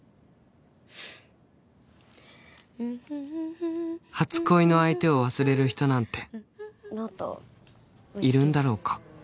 ふっ初恋の相手を忘れる人なんているんだろうか